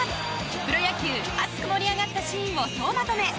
プロ野球熱く盛り上がったシーンを総まとめ！